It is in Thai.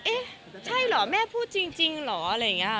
เอ๊ะใช่เหรอแม่พูดจริงเหรออะไรอย่างนี้